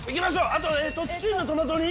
あとチキンのトマト煮？